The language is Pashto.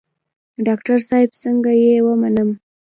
ډاکتر صاحب څنګه يې ومنم.